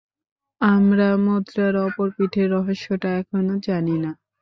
আমরা মুদ্রার অপর পিঠের রহস্যটা এখনও জানি না!